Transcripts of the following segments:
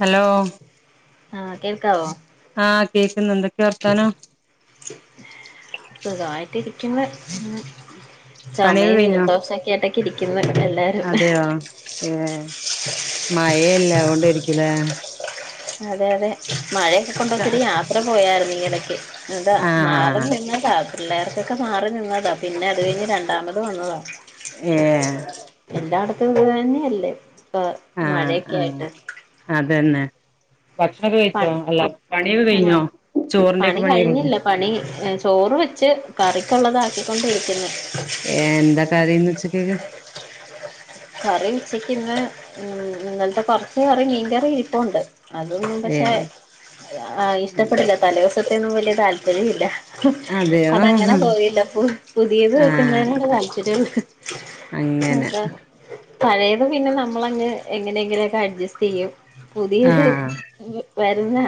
Hello ആഹ് കേൾക്കാവോ? ആഹ് കേക്കുന്നുണ്ട് എന്തൊക്കെയ വർത്താനം സുഖായിട്ടിരിക്കുന്ന് പണിയൊക്കെ ചോമയും കഴിഞ്ഞോ ജലദോഷക്കെ ആയിട്ടൊക്കെ ഇരിക്കുന്നു എല്ലാരും. അതെയോ ഏഹ് മയയല്ലെ അഅതുകൊണ്ടായിരിക്കും അല്ലേ അതെ അതെ മഴയൊക്കെ ച കൊണ്ടോത്തിരി യാത്ര പോയായിരുന്നു ഈയിടക്ക്‌ അതാ മാറും ആഹ് നിന്ന സാ പിള്ളേർക്കൊക്കെ മാറി നിന്നതാ പിന്നെ അത് കഴിഞ്ഞ് രണ്ടാമത് വന്നതാ ഏഹ് എല്ലാടത്തും ഇതു തന്നെയല്ലേ ഇപ്പ മഴയൊക്കെയിട്ട് അത് തന്നെ ഭക്ഷണൊക്കെ കഴിച്ചോ പണി അല്ല പണിയൊക്കെ ആഹ് കഴിഞ്ഞോ പണി ചോറിന്റെയൊക്കെ പണിഴിഞ്ഞോ കഴിഞ്ഞില്ല പണി ചോറ് വെച്ച് കറിക്കുള്ളത് ആക്കിക്കൊണ്ടിരിക്കുന്നു ഏഹ് എന്താ കറി ഇന്ന് ഉച്ചക്ക് കറി ഉച്ചയ്ക്ക് ഇന്ന് ഉം ഇന്നലത്തെ കൊറച്ച് കറി മീൻ കറി ഇരിപ്പോണ്ട് അതൊന്നും പക്ഷെ ഏഹ് ആ ഇഷ്ടപ്പെടില്ല തലെ ദിവസത്തെ ഒന്നും വലിയ താല്പര്യല്ല അതെയോ അതങ്ങനെ പോയില്ലപ്പോ പുതിയത് ആഹ് വെക്ക്ന്നോട് താല്പര്യം അങ്ങനെ അതെ [unintelligible] പഴയത് പിന്നെ നമ്മളങ്ങ് എങ്ങനെയേനങ്ങനെക്കെ അഡ്ജസ്റ്റ്യ്യും പുതിയത് ആഹ് വരുന്ന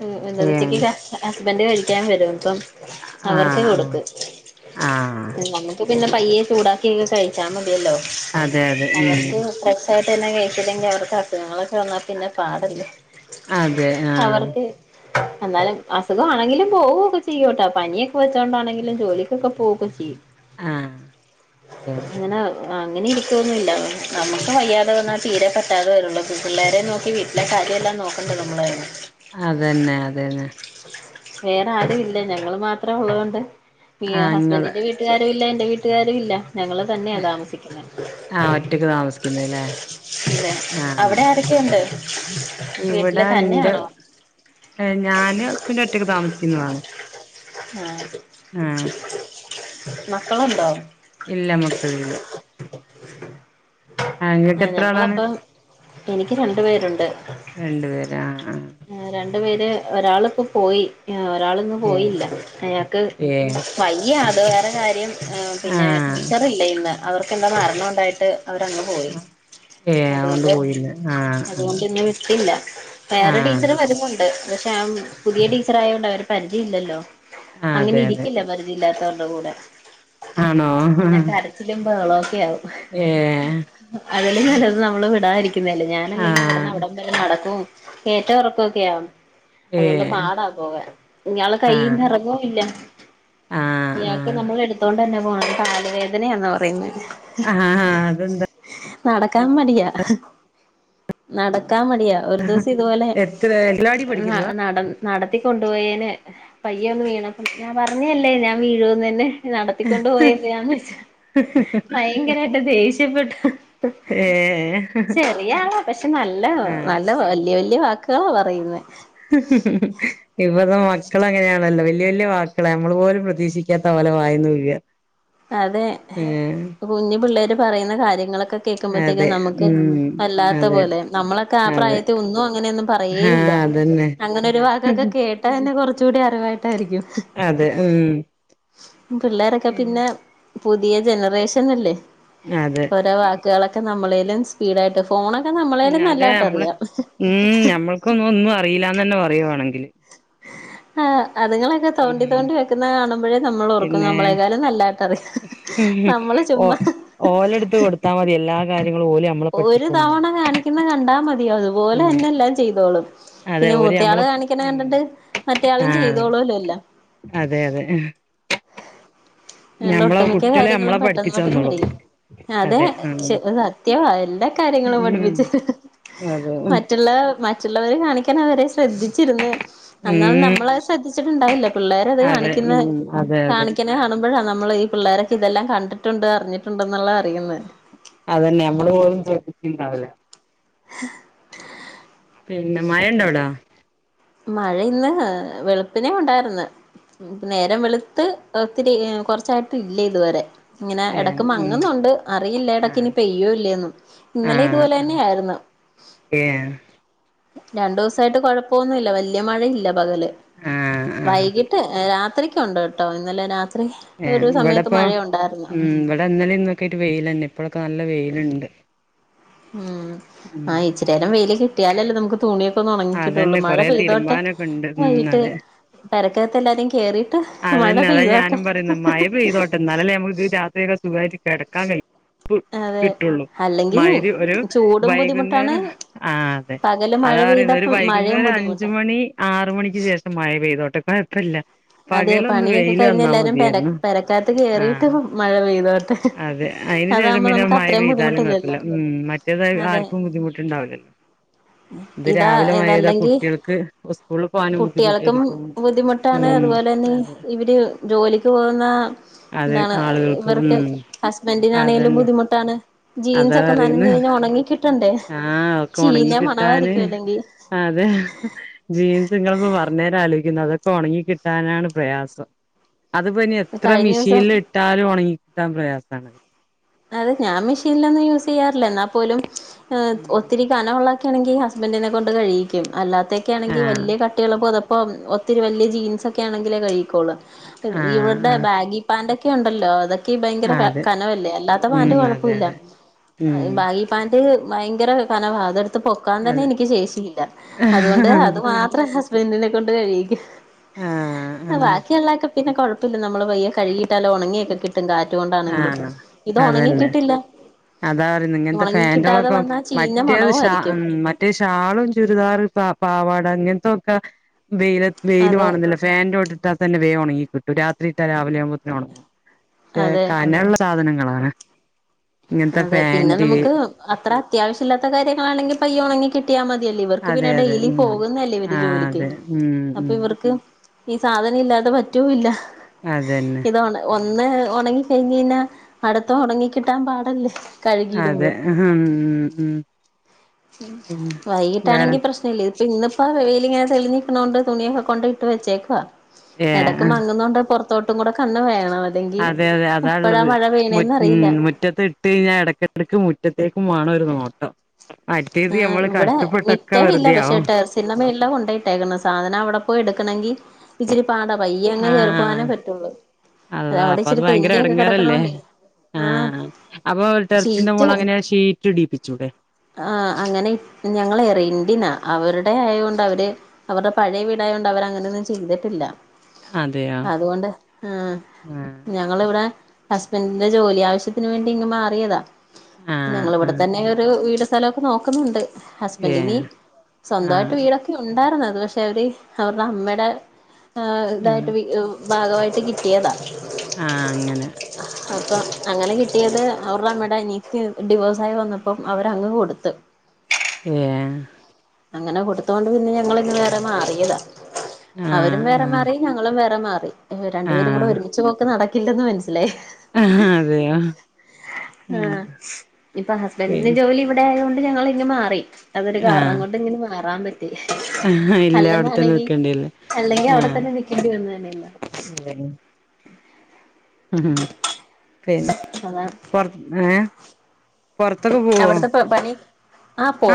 [unintelligible] ഏഹ് ഉച്ചക്കില്ല ഹസ്ബൻഡ് കഴിക്കാൻ വരും ഇപ്പം അവർക്കെ ആഹ് ആഹ് കൊടുക്കും ആഹ് നമ്മക്ക് - അപ്പ പിന്നെ പയ്യെ ചൂടാക്കിക്കെ കഴിച്ചാ മതിയല്ലോ അതെ അതെ ഉം അവർക്ക് നേരത്തെന്നെ കഴിച്ചില്ലെങ്കിൽ അവർക്ക് അസുഖങ്ങളൊക്കെ വന്നാ പിന്നെ പാടല്ലേ അതെ ആഹ് അവർക്ക്- എന്നാലും അസുഖാണെങ്കിലും പോവുകയൊക്കെ ചെയ്യോട്ടാ പനിയൊക്കെ വെച്ചോ ണ്ടാണെങ്കിലും ജോലിക്കൊക്കെ പോവുകൊക്കെ ചെയ്യും ആഹ് ഏഹ് അങ്ങനെ- അങ്ങനെ ഇരിക്കുവൊന്നുവില്ല നമുക്ക് വയ്യാതെ വന്നാൽ തീരെ പറ്റാതെ വരുള്ളൂ പിള്ളേരെ നോക്കി വി ട്ടിലെ കാര്യം എല്ലാം നോക്കണ്ടേ നമ്മള് തന്നെ അത് തന്നെ അത് തന്നെ വേറെ ആരുയില്ല ഞങ്ങള് മാത്രം ഉള്ളത് കൊണ്ട് ഈ ആ ഇങ്ങള് ഹസ്ബന്റിന്റെ വീ ട്ടുകാരും ഇല്ല എന്റെ വീട്ടുകാരും ഇല്ല ഞങ്ങള് തന്നെയാ താമസം ആഹ് ഒറ്റക്ക് താമസിക്കുന്നല്ലേ അതെ ആഹ് അവിടെ ആരൊക്കെയുണ്ട് വീട്ടില് ഇവിടെ എന്റെ തന്നെയാണോ ഞാനും ഹസ്ബൻഡും ഒറ്റക്ക് താമസിക്കുന്നതാണ് ആഹ് ആഹ് മക്കളുണ്ടോ ഇല്ല മക്കളില്ല ആ [inaudible] ഇങ്ങക്ക് ആഹ് എത്ര ആളാണ് ഞങ്ങളപ്പം എനിക്ക് രണ്ട് പേരുണ്ട് രണ്ടു പേര് ആ ആ രണ്ട് പേര് ഒരാളിപ്പോ പോയി ഒരാളിന്ന് ഏ പോയില്ല അയാക്ക്- ഏ വയ്യ അത് വേറെ കാര്യം പിന്നെ ആഹ് ടീച്ചറില്ല ഇന്ന് അവർക്കെന്തോ മരണം ഉണ്ടായിട്ട്- അവരങ്ങ് പോയി ഏ അതൊണ്ട് അതുകൊണ്ട് പോയില്ല ആഹ് അതുകൊണ്ട് ഇന്ന് വിട്ടില്ല വേറെ ആഹ് ആഹ് ടീച്ചറ് വരുന്നുണ്ട് പക്ഷെ അ പുതിയ ടീച്ചർ ആയോണ്ട് അവരെ പരിചയം ഇല്ലല്ലോ ആ അങ്ങനെ അതെ അതെ ഇരിക്കില്ല പരിചയ ഇല്ലാത്തവരുടെ കൂടെ ആണോ ബഹളൊക്കെ ആവും ഏ അതിലും നല്ലത് നമ്മള് വിടാതിരി ക്കുന്നല്ലേ ഞാനല്ലെങ്കി ആഹ് ഇവിടന്ന് അവിടം വരെ നടക്കും ഏറ്റോം ഇറക്കൊക്കെയാ ഏ അതുകൊണ്ട് പാടാ പോവൻ ഇയാൾ ആഹ് കൈയിന്ന് ഇറങ്ങും ഇല്ല ആഹ് ഇയാക്ക് നമ്മൾ എടുത്തോണ്ട് തന്നെ പോണം കാലു വേദനയാന്നാ പറയുന്നെ ആഹ് ആഹ് അതെന്താ നടക്കാൻ മടിയാ നടക്കാൻ മടിയാ ഒരു ദിവസം ഇതുപോലെ എത്ര എല്ലാടി ന പഠിക്കുന്നതാ നട നടത്തിക്കൊണ്ടുപോയെന് പയ്യ ഒന്ന് വീണപ്പം ഞാൻ പറഞ്ഞയല്ലേ ഞാൻ വീഴുന്ന് എന്നെ നടത്തിക്കൊണ്ട് പോയെ എന്തിന വെച്ച് ഭയങ്കരായിട്ട് ദേഷ്യപ്പെട്ട് ഏ ചെറിയ ആളാ പക്ഷെ നല്ല ആഹ് നല്ല വല്യ വല്യ വാക്ക ക്ക പറയുന്നെ ഇപ്പത്ത മക്കൾ അങ്ങനാണല്ലോ വല്യ വല്യ വാക്കുകള നമ്മള് പോലും പ്രതീക്ഷിക്കാത്ത ഓല വായിന്ന് വിഴ അതെ കുഞ്ഞ് പിള്ളേര് പറയുന്ന കാര്യങ്ങളൊക്കെ അതെ കേൾക്കുമ്പോത്തേക്കും നമുക്ക് ഉം വല്ലാത്ത അതെ പോലെ നമ്മളൊക്കെ ആഹ് അതെ പ്രായത്തി ഒന്നും അങ്ങനെ ഒന്നും പറയേയില്ല ആഹ് അതന്നെ അങ്ങനെ ഒരു വാക്കൊക്കെ കേട്ടാ തന്നെ കുറച്ച് കൂടി അറിവായിട്ടായിരിക്കും അതെ ഉം പിള്ളേരൊക്കെ പിന്നെ പുതിയ ജനറേഷൻ അല്ലേ അതെ ഓരോ വാക്കുകളൊക്കെ നമ്മളേലും സ്പീഡായിട്ട് ഫോണൊക്കെ നമ്മളേലും അതെ നല്ലയിട്ട് നമ്മള് അറിയാം ഉം ഞമ്മൾക്കൊന്നും ഒന്നും അറിയില്ലാന്ന് തന്നെ പറയും വേണേങ്കില് ആഹ് അതുങ്ങളൊ ക്കെ ഉം തോണ്ടി തോണ്ടി വെക്കുന്നത് കാണുമ്പോഴേ നമ്മൾ ഓർക്കും പിന്നെ നമ്മളെക്കാലും നല്ലായിട്ട് അറിയാം ഓ ഓലെടുത്ത് കൊടുത്താ മതി എല്ലാ കാര്യങ്ങളും ഓല് നമ്മളെ ഒരു പഠിപ്പിച്ച് തന്നോളും തവണ കാണിക്കുന്ന കണ്ടാ മതി അതുപോലെ ഉം തന്നെ എല്ലാം ചെയ്തോളും അതെ പിന്നെ ഓര് മൂത്ത ആള് നമ്മളെ കാണിക്കണ ഉം കണ്ടിട്ട് മറ്റേയാളും ആഹ് ചെയ്തോളൂല്ലോ എല്ലാം അതെ അതെ അതോണ്ട് ഞമ്മളെ ഒട്ടുമിക്ക കുട്ടികളെ കാര്യങ്ങളും നമ്മളെ പെട്ടെന്ന് പഠിപ്പിച്ചു പെട്ടെന്ന് തന്നോളും പഠിക്കും അതെ ഷെ സത്യവാ എല്ലാ കാര്യങ്ങളും ഉം പഠിപ്പിച്ച് അതെ ഉം മറ്റുള്ള മാ മറ്റുള്ളവരും കാണിക്കാണ അവരെ ശ്രദ്ധിച്ചിരുന്ന് എന്നാലും നമ്മളത് ശ്രദ്ധിച്ചിട്ടുണ്ടാവില്ല പിള്ളേര് അത് അതെ കാണിക്കുന്ന ഉം അതെ അതെ കാണിക്കണ കാണു മ്പഴ നമ്മൾ ഈ പിള്ളേരൊക്ക ഇതെല്ലാം കണ്ടിട്ടുണ്ട് അറിഞ്ഞിട്ടുണ്ട് എന്നുള്ള അറിയുന്ന അതന്നെ ഞമ്മള് പോലും ശ്രദ്ധിച്ച്ണ്ടാവുല്ല പിന്നെ മഴണ്ടോവ്ടാ മഴ ഇന്ന് വെളുപ്പിനെ ഉണ്ടായിർന്ന് നേരം വെളുത്ത് ഒത്തിരി കൊറച്ചായിട്ട് ഇല്ലെതുവരെ ഇങ്ങനെ ഏഹ് എടക്ക് ഉം മങ്ങുന്നുണ്ട് അറിയില്ല ആഹ് എടക്ക്നി പെയ്യോല്ലെന്ന് ആഹ് ആഹ് ഇന്നലെതുപോലെന്നെയായ്ര്ന്നു ഏഹ് രണ്ടുസായിട്ട് കൊഴപ്പൊന്നുല്ല വല്യ മഴയില്ല പകല് ആഹ് ആഹ് വൈകിട്ട് ട്ട് രാത്രിക്കുണ്ട്ട്ടോ ഇന്നലെ രാത്രി ഒരു ഏഹ് സമയത്ത് ഇവടെപ്പോ മഴയുണ്ടായിരുന്നു ഉം ഇവടെന്നെലി ന്നൊക്കെയ്റ്റ് വെയ്ലെന്നെ ഇപ്പഴൊക്കെ നല്ല വെയ്ലിണ്ട് ഉം ആഹ് ഇച്ചിരെരം വെയില് കിട്ടിയാലല്ലെ നമുക്ക് തുണി യൊക്കൊന്നൊണങ്ങിക്കിട്ടുള്ളൂ അതന്നെ മഴ കൊറേ പെയ്തോട്ടെ തിരുമ്പാനൊക്കെ ഉണ്ട് ഉം വൈകിട്ട് അതെ പെരക്കത്ത് എല്ലാരും കേറി ട്ട് മഴ അതന്നെ അതാ പെയ്തോട്ടെ ഞാനും പറയുന്നത് മഴ പെയ്തോട്ടെ എന്നാലല്ലേ ഞമ്മക്ക് രാത്രിയൊക്കെ സുഖായിട്ട് കെടക്കാൻ കയും അതെ കിട്ടുള്ളൂ അല്ലെങ്കി മൈരി ഒരു ചൂടും ബുദ്ധിമുട്ടാണ് വൈകുന്നേരം ആഹ് അതെ പകല് മഴ അതാ പറയ്ന്നത് ഒരു പെയ്തപ്പം വൈകുന്നേരം മഴയും ഒരു അഞ്ച് ബുദ്ധിമുട്ടാ മണി ആറ് മണിക്ക്ശേഷം മഴ പെയ്തോട്ടേ കൊഴപ്പില്ല അതെ പണിയൊക്കെ കഴിഞ്ഞെല്ലാരും പെര പെരക്കാത്ത് ആ കെയ്റിട്ട് മഴ പെയ്തൊട്ടെ അതെ അയ്ന്ശേഷം പിന്നെ മഴ പെയ്താലും ബുദ്ധിമുട്ടില്ലല്ലോ കുഴപ്പില്ല ഉം മറ്റേത് അതെ ആര്ക്കും ബുദ്ധിമുട്ടുണ്ടാവില്ലല്ലോ ഇത് ഇതാ രാവിലെമയെതാ ഇതല്ലെങ്കി കുട്ടെൾക്ക് ഉസ്കൂള് പോകാനും ബുദ്ധിമുട്ടെരിക്കും ഉം അതുപോലെന്നെ അതെ ഇവര് ജോലിക്ക് പോകുന്ന അതെ ന്താണ് ആളുകൾക്ക് ഇവർക്കെ ഉം ഹസ്ബന്റിനാണെേലും അതന്നെ ബുദ്ധിമുട്ടാണ് അതാ ജീൻസക്കെ പറയുന്നെ നൻഞ്ഞെഞ്ഞ ഒണങ്ങിക്കി ആഹ് ഒക്കെ ഒണങ്ങി ചീഞ്ഞ കിട്ടാന് മണവായിരിക്കുവല്ലെങ്കി അതെ ജീൻസ്ങ്ങള്പ്പോ പറഞ്ഞേരം ആലോയ്ക്ക്ന്നത് അതൊക്കെ ഒണങ്ങികിട്ടാനാണ് പ്രയാസം അത് പ്പെനി എത്ര കഴിഞ്ഞ ദിവസം മിഷീല്ട്ടാലും ഒണങ്ങിക്കിട്ടാൻ പ്രയാസണത് അതെ ഞാമെഷീലൊന്നും യൂസെയ്യാറില്ല എന്നാപോലും ഉം ഒത്തിരി കനമുള്ളൊക്കെണെങ്കിൽ ഹസ്ബെന്റിനെകൊണ്ട് കഴിയ്ക്കും അല്ലാതെക്കെയാണെങ്കിൽ ആഹ് വലിയ ക ട്ടികളെ പൊതപ്പൊ ഒത്തിരിവല്യ ജീൻസൊക്കെയാണെങ്കിലേ കഴ്കിക്കൊള്ള ആഹ് ആഹ് ഇവര്ടെ ബാഗി പാന്റൊക്കെ ഉണ്ടല്ലോ അതൊക്കെ ഭയങ്കര ആഹ് അതെ കനവല്ലേ അല്ലാ വ്ടെപാന്റ് ഉം അതെ കുയപ്പൊല്ല അതെ ഉം ബാഗി ഗിപാന്റ് ഭയങ്കരകനവ അതെടുത്ത് പൊക്കാൻതന്നെ അതെ എനിക്ക് ശേഷില്ല അതുകൊണ്ട് അത് ആഹ് മാ എത്രിസം ഹസ്ബന്റിനെ കൊണ്ട് കഴികിക്കും ആഹ് ബാക്കിയുള്ളൊക്കെ പിന്നെ കൊയ ഇത് നമ്മള് പയ്യെ കഴുകിയിട്ടാലൊ ണങ്ങിയൊക്കെകിട്ടും കാറ്റു കൊ ണ്ടാണെങ്കിലും ആഹ് ഇത് ഒണങ്ങി അതന്നെ കിട്ടില്ല അതാ പറ്ന്നെങ്ങൻത്തെ ഒണങ്ങി കിട്ടാതെ ഫാന്റാളൊക്കെ വന്നാ ചീഞ്ഞ മറ്റേത് ഷഹ് മണവുമായിരിക്കും ഉം മറ്റേ ഷാളും ചുരിദാർ പ പാവാട ങ്ങൻത്തൊക്കെ വെയില വെയില് അതെ വണുന്നില്ല ഫെന്റൊട്ടിട്ടാതന്നെ വേ ഒണങ്ങി കിട്ടും രാത്രി ഇട്ട രാവിലെ ആവുമ്പോത്തിന് ഒണങ്ങും പക്ഷേ അതെ കനള്ള സാധനങ്ങളാണ് ഇങ്ങനത്തെ അതെ പിന്നെ ഫാന്റ് നമുക്ക് അത്ര അത്യാവശ്യല്ലാത്ത കാര്യങ്ങളാണെങ്കി പയ്യെ ഒണങ്ങി കിട്ട് കിട്ടിയാ മതിയല്ലേ ഇവർക്ക് അതെ പിന്നെ അതെ ഡെയിലി ഉം പോകുന്നല്ലേ ഇവര് ആഹ് ജോലിക്ക് അതെ ഉം അപ്പൊ ഉം ഇവർക്ക് ഈ സാധനം ഇല്ലാതെ പറ്റൂല്ല അതന്നെ ഇത് ഒന്ന് ഒണങ്ങി കഴിഞ്ഞെഞ അടുത്ത ഉണങ്ങി കിട്ടാൻ പാടല്ലേ അതെ കഴുകിയിടുമ്പോ ഉഹ് ഉംഉം വൈകിട്ടാണെങ്കി പ്രശ് ഇല്ല ഇപ്പന്നിപ്പോ ആ വെയില്ങ്ങെ തെളിഞ്ഞ്ക്ക്ണൊണ്ട് തുണിയൊകൊണ്ടൈട്ട് വെച്ചേക്ക ഏഹ് എടക്ക് ആഹ് മങ്ങുന്നോണ്ട് പെറ്ത്തോട്ടും കൂടെ കണ്ണ് വേണം അല്ലെങ്കി അതെ അതെ എപ്പഴാ അതാള്ളത് മഴ പെയ്യണേന്ന് മുറ്റ് അറിയില്ല മുറ്റത്ത്ട്ടെയ്ഞ്ഞാ ഇടക്ക്ടക്ക് മുറ്റത്തേക്കും വാണം ഒരു നോട്ടം അട്‌തേത് ആ നമ്മള് കഷ്ടപ്പെട്ടൊക്കെ വെറുതെ ആവും ചിന്നമെല്ലാം കൊണ്ടയിട്ടേക്കണെ സാധനം അവിടെപോയി എടുക്കണെങ്കി ഇച്ചിരി പാടാ പയ്യേങ്ങ് കേറിപോവാനെ ആഹ് പറ്റുള്ളൂ അള്ളാ അവിടെ അപ്പൊ അത് ഇച്ചിരി ഭയങ്കര തെന്നിയൊക്കെ ഇടങ്ങറല്ലേ കെടക്കണോണ്ടേ ആ ആഹ് അപ്പൊ ടെറസിറ്റെ ഷീറ്റ് മോള് അങ്ങനെ ഷീറ്റ് ഇടീപ്പിച്ചൂടെ ആഹ് അങ്ങനെ ഞങ്ങളെ റെൻ്റിനാ അവരുടെ ആയോണ്ട് അവര് അവർടെ പഴയവീടായോണ്ട് അവരങ്ങനൊന്നും ചെയ്തിട്ടില്ല അതെയോ അതുകൊണ്ട് ആഹ് ആഹ് ഞങ്ങളിവിടെ ഹസ്ബന്റിന്റെ ജോലി ആവശ്യത്തിന് വേണ്ടി ഇങ്ങ്മാറിയതാ ആഹ് ആഹ് ഞങ്ങളിവിടെതന്നെ ഒരു വീടു സ്ഥലൊക്കെ നോക്കുന്നുണ്ട് ഹസ്ബൻഡിനി ഏഹ് സ്വന്തവായിട്ട് ആഹ് വീടൊക്കെ ഒണ്ടാര്ന്നത് പഷെവര് അവർടെ അമ്മേടെ ആഹ് ഇതായിട്ട് വി ഭാഗവായിട്ട് കിട്ടിയതാ ആഹ് അങ്ങനെ അപ്പൊ അങ്ങനെ കിട്ടിയത് അവർടെ അമ്മേടെ അനിയത്തി ഡിവോഴ്സായി വന്നപ്പം അവരങ്ങ് കൊ ട്ത്ത് ഏഹ് അങ്ങനെ കൊടുത്തോണ്ട് പിന്നെ ഞങ്ങളിങ്ങ് വേറെ മാറിയതാ അവരും ആഹ് വേറെ ആഹ് മാറി ഞങ്ങളും വേറെ മാറി രണ്ടുപേരുംങ്കൂടെ ആഹ് ഒരുമിച്ച് പോക്ക് നട ഇല്ലന്ന് മനസ്സിലായി ആഹ് അതെയോ ആഹ് ഇപ്പൊ പി ഹസ്ബൻഡിന് ജോലി ഇവി- ആയോണ്ട് ഞങ്ങളിങ്ങ് മാറി അതൊരു ആഹ് കാരണംകൊ- മാറാൻ പറ്റി ആഹ് ഇല്ല അവിടെത്തന്നെ അല്ലെന്നാണെങ്കി നിക്കേണ്ടില്ലേ അല്ലെങ്കി ആഹ് അവിടെതന്നെ നിക്കെണ്ടി വന്നേനെന്ന് ഉം പിന്നെ അതാ പൊറത്ത് ഏഹ് പൊറത്തൊക്കെ പോവോ അവിടുത്തെ പ പണി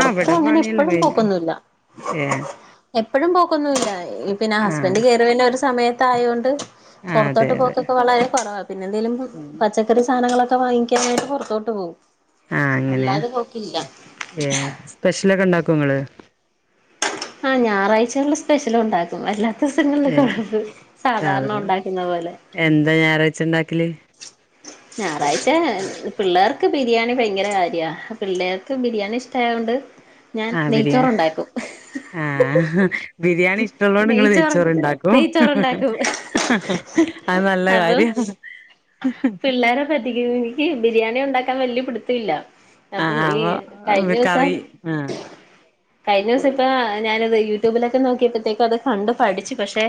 ആഹ് വട അങ്ങനെ പണിയെല്ലാം എപ്പഴും കഴിഞ്ഞു പോക്കൊന്നുല്ല ഏഹ് എപ്പഴും പോക്കൊന്നുവില്ല ഈ പിന്നെ ഹസ്ബൻഡ് കയറിരുന്ന ഒരു സമയത്തായോണ്ട് ആ അതെ പൊറത്തോട്ട് അതെ പോക്കൊക്കെ വളരെകൊറവാ പിന്നെന്തേലും പച്ച ക്കറീം സാനങ്ങളൊക്കെ വാങ്ങിക്കാനായിട്ട് പൊറത്തോട്ട് പോവും അല്ലാതെ പോക്കില്ല ഏഹ് സ്പെഷ്യലൊക്കെ ഇണ്ടാക്കൊ ഇങ്ങള് ആഹ് ഞാറാച്ചകളി സ്പെഷ്യലൊണ്ടാ അല്ലാത്തൂസങ്ങളില് ഏ കൊഴപ്പ് സാധ സാധാരണ ഒണ്ടാക്കുന്നപോലെ എന്താ ഞായറാഴ്ചിണ്ടാക്കല് ഞാറാഴ്ച്ച പിള്ളേർക്ക് ബിരിയാണി ഭയങ്കര കാര്യ പിള്ളേർക്ക് ബിരിയാണി ഇഷ്ടായകൊണ്ട് ഞാൻ ആ ബിരിയാണി നെയ്ച്ചോറുണ്ടാക്കും ആഹ് ബിരിയാണി ഇഷ്ടൊള്ളോണ്ടിങ്ങള് നെയ്ച്ചോറ് നെയിച്ചോറിണ്ടാക്കും നെയ്ച്ചോറുണ്ടാക്കും അത് നല്ലകാര്യം തട്ടിക്കബിര്യാണി ഈ ബിരിയാണി ഒണ്ടാക്കാൻ വല്യ പിടുത്തുല്ല അപ്പം ഈ കഴിഞ്ഞൂസം ആഹ് കഴിഞ്ഞൂസ്സിപ്പ ഞാനത് യൂട്യൂബിലൊക്കെ നോക്കി യപ്പത്തേക്കത് കണ്ട് പഠിച്ച് പക്ഷെ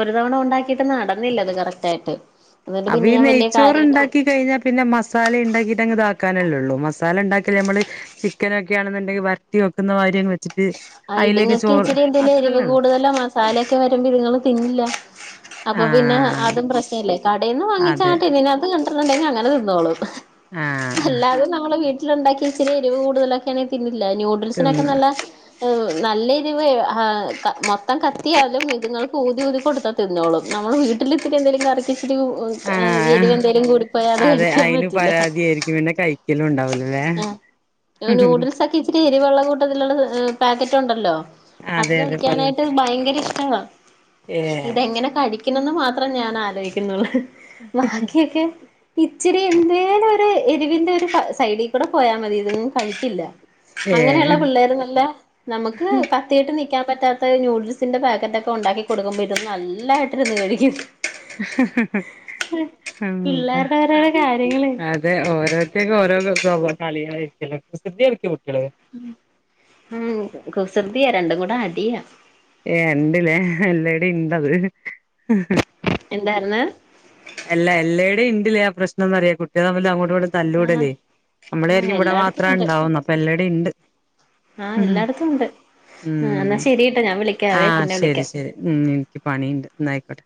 ഒരുതവണ ഒണ്ടാക്കീട്ട് നടന്നില്ലത് കറക്റ്റായിട്ട് അപ്പീനെയ്ച്ചോറിണ്ടാക്കി കഴിഞ്ഞാ- പിന്നെ മസാല ഇണ്ടാക്കീട്ട് അങ്ങ് താക്കാനല്ലുള്ളൂ മസാല ഇണ്ടാക്കലമ്മള് ചിക്കനൊക്കെയാണെന്നുണ്ടെങ്കി വരട്ടി വെക്കുന്നവാരിങ്ങ് വച്ചാ ആഹ് ഇതിങ്ങക്ക് ഇച്ചിരി എന്തേലും എരിവ് അത്രല്ലേ ഉള്ളൂ കൂടുതലൊ മസാല സാലൊക്കെ വരുമ്പൊ ഇത്ങ്ങള് തിന്നില്ല അപ്പൊ പിന്നെ ആഹ് അതും പ്രശ്നല്ലേ കടേന്ന് വാങ്ങിച്ച ആ അതെ ടിന്നിനാത്ത് കണ്ടിണ്ടെങ്കി അങ്ങനെ തിന്നോളും ആഹ് അല്ലാതും നമ്മള് വീട്ട് ലൊണ്ടാക്കി ഇച്ചരി എരിവ്കൂടുതലൊക്കാണെങ്കി തിന്നില്ല തിന്ന് ന്യൂഡിൽസിനൊക്കെനല്ല നല്ല എരുവേ ഹാഹ് ക മൊത്തം കത്തിയാലും ഇതുങ്ങൾക്ക് ഊതി ഊതി കൊടുത്ത തിന്നോളും നമ്മള് വീട്ടിൽ ഇത്തിരി എന്തെങ്കിലും കറിക്കിച്ചിരു ആഹ് എരിവ എന്തേലും കൂടിപ്പോയാ അത് അതെ കഴിക്കാൻ അയിന് പറ്റില്ല പരാതിയായിരിക്കും പിന്നെ കഴിക്കലും ഉണ്ടാവൂലല്ലേ ആഹ് നൂഡിൽസൊക്കെ ഇച്ചിരി എരിവൊള്ള കൂട്ടത്തിലുള്ള പാക്കറ്റ് ഉണ്ടല്ലോ അത് അതെ അതെ പല കഴിക്കാനായിട്ട് ഭയങ്കര ഇഷ്ടവാ ഏഹ് ഇതെങ്ങനെ കഴിക്കണന്ന് മാത്രം ഞാൻ ആലോചിക്കുന്നുള്ളൂ ബാക്കിയൊക്കെ ഇച്ചിരി എന്തേലും ഒരു എരിവിന്റെ ഒരു സ സൈഡിൽ കൂടെ പോയാ മതി ഇത്ങ്ങൊന്നും കഴിക്കില്ല അങ്ങനെയുള്ള ഏഹ് പിള്ളേർ നല്ല നമുക്ക് അത്യായിട്ട് നിക്കാൻ പറ്റാത്ത നൂഡിൽസിന്റെ പാക്കറ്റ ഒക്കെ ഉണ്ടാക്കി കൊടുക്കുമ്പോ ഇരുന്ന് നല്ലായിട്ടിരുരുന്നു കഴിക്കും ഉം പിള്ളേരുടെ ഒരോരോ കാര്യങ്ങള് അതെ ഓരോത്തേക്ക ഓരോ പ്രോബ്ലം കളികായിരിക്കല്ലോ കുസൃതി കളിക്കോ കുട്ടിയാള് ഉം കുസൃതിയ രണ്ടും കൂടെ അടിയാ ഏഹ് ഇണ്ട്ലേ എല്ലടെ ഇണ്ടത് എന്തായിര്ന്ന് അല്ല എല്ലടെയും ഇണ്ടില്ലേ ആ പ്രശ്നംന്നറിയ കുട്ട്യാള് തമ്മില് അങ്ങോട്ടിങ്ങോട്ട് ആഹ് തല്ലൂടല്ലേ നമ്മള് ആഹ് വിചാരിക്കും ഇവിടെ എല്ലായിടത്തും മാത്ര ഉണ്ട് ഇണ്ടാവൂന്നാ അപ്പൊ എല്ലടെ ഇണ്ട് ആഹ് ഉം എല്ലായിടത്തും ഉണ്ട് ആ ഉം എന്നാ ശരിട്ടോ ഞാൻ വിളിക്കാവേ ആഹ് പിന്നെ ശരി വിളിക്കാം ശരി ഉം എനിക്ക് പണി ഇണ്ട് എന്നായിക്കോട്ടെ